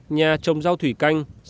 nhà trồng rau thủy canh